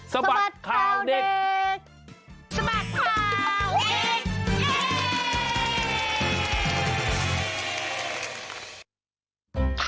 สบัดข้าวเด็ก